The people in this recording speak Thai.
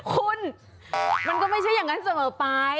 คุณมันก็ไม่ใช่อย่างนั้นเสมอไป